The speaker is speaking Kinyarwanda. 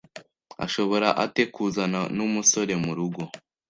ashobora ate kuzana numusore murugo